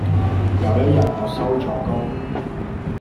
有一日我收咗工